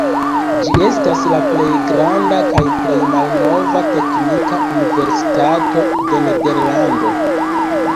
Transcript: Ĝi estas la plej granda kaj plej malnova teknika universitato de Nederlando.